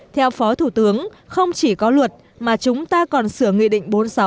theo phó thủ tướng không chỉ có luật mà chúng ta còn sửa nghị định bốn